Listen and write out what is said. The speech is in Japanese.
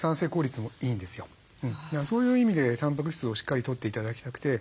だからそういう意味でたんぱく質をしっかりとって頂きたくて。